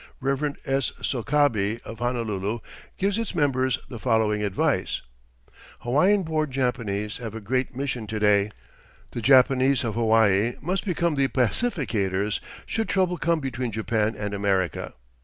Rev. S. Sokabe, of Honolulu, gives its members the following advice: "Hawaiian born Japanese have a great mission to day. The Japanese of Hawaii must become the pacificators should trouble come between Japan and America....